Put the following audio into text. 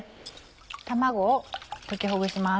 卵を溶きほぐします。